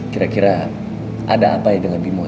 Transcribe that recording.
kira kira ada apa ya dengan bimo